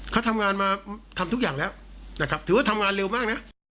เขาทำงานมาทำทุกอย่างแล้วนะครับถือว่าทำงานเร็วมากนะ